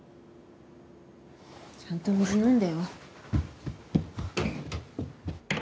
ちゃんと水飲んでよ。